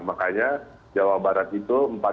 makanya jawa barat itu